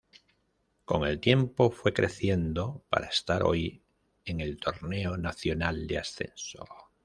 Con el tiempo fue creciendo para estar hoy en el Torneo Nacional de Ascenso.